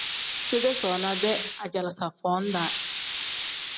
Deedee soona-dee ajalaaza foo -daa.